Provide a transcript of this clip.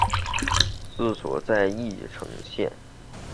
治所在宜盛县。